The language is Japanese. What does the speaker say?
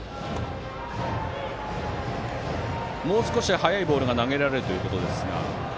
もう少し速いボールが投げられるということですが。